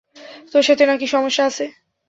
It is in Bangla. তোর সাথে না-কি সমস্যা আছে?